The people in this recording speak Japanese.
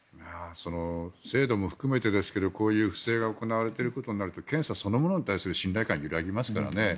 制度も含めてですがこういう不正が行われていることになると検査そのものに対する信頼感が揺らぎますからね。